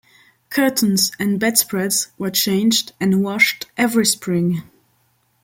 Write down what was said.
Curtains and bedspreads were changed and washed every spring.